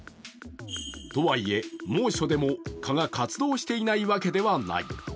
とはいえ、猛暑でも蚊が活動していないわけではない。